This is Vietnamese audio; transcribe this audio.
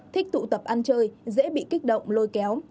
thích tụ tập ăn chơi dễ bị kích động lôi kéo